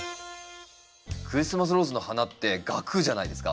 クリスマスローズの花って萼じゃないですか。